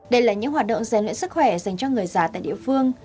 đây là những hoạt động rèn luyện sức khỏe dành cho người già tại địa phương